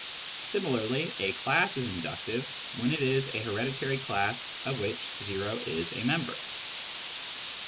Similarly a class is " inductive when it is a hereditary class of which o is a member.